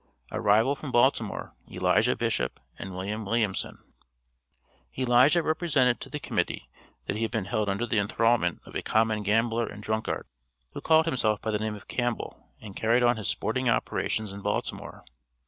ARRIVAL FROM BALTIMORE. ELIJAH BISHOP AND WILLIAM WILLIAMSON. Elijah represented to the Committee that he had been held under the enthrallment of a common "gambler and drunkard," who called himself by the name of Campbell, and carried on his sporting operations in Baltimore.